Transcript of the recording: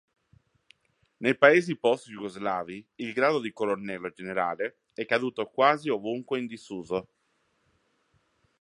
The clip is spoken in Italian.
Nei paesi post-jugoslavi il grado di colonnello generale è caduto quasi ovunque in disuso.